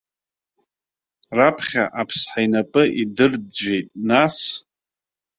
Раԥхьа аԥсҳа инапы идырӡәӡәеит, нас.